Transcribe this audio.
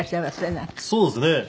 そうですね。